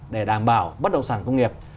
để đảm bảo bất động sản công nghiệp